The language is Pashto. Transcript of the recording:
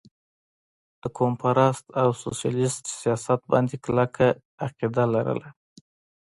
د قوم پرست او سوشلسټ سياست باندې کلکه عقيده لرله